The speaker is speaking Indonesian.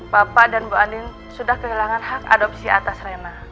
bapak dan bu andin sudah kehilangan hak adopsi atas rema